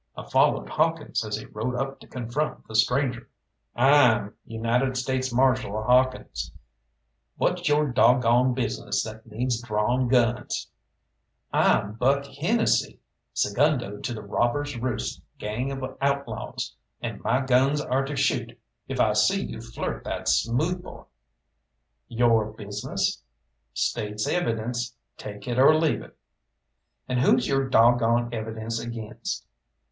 I followed Hawkins as he rode up to confront the stranger. "I'm United States Marshal Hawkins. What's your dog goned business that needs drawn guns?" "I'm Buck Hennesy, segundo to the Robbers' Roost gang of outlaws, and my guns are to shoot if I see you flirt that smoothbore." "Your business?" "State's evidence take it or leave it!" "And who's your dog goned evidence against?"